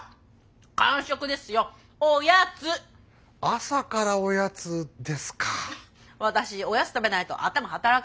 朝からおやつですか？